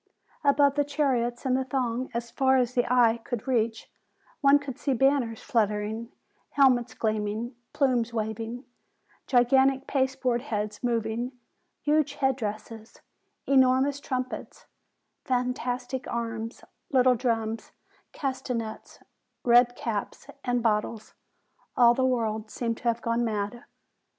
Above the chariots and the throng, as far as the eye could reach, one could see banners fluttering, helmets gleaming, plumes waving, gigantic pasteboard heads moving, huge head dresses, enormous trumpets, fan tastic arms, little drums, castanets, red caps, and bot tles; all the world seemed to have gone mad.